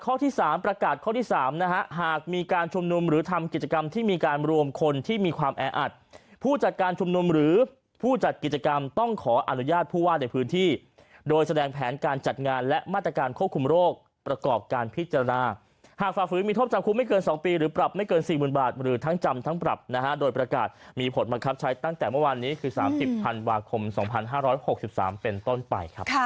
ข้อที่๓ประกาศข้อที่๓หากมีการชมนุมหรือทำกิจกรรมที่มีการรวมคนที่มีความแออัดผู้จัดการชมนุมหรือผู้จัดกิจกรรมต้องขออนุญาตผู้ว่าในพื้นที่โดยแสดงแผนการจัดงานและมาตรการควบคุมโรคประกอบการพิจารณาหากฝากฝืนมีโทษจำคุมไม่เกิน๒ปีหรือปรับไม่เกิน๔๐๐๐๐บาทหรือทั้